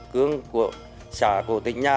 cương của xã của tỉnh nhà